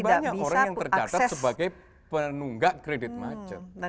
banyak orang yang tercatat sebagai penunggak kredit macet